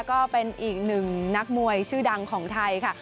ก็เป็นอีกหนึ่งนักมวยชื่อดังของไทยค่ะ